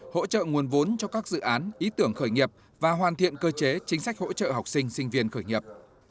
hỗ trợ nguồn vốn cho các dự án ý tưởng khởi nghiệp và hoàn thiện cơ chế chính sách hỗ trợ học sinh sinh viên khởi nghiệp